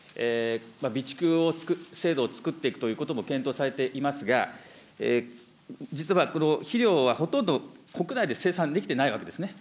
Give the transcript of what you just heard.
備蓄制度を作っていくということも、検討されていますが、実は、この肥料はほとんど国内で生産できていないわけですね。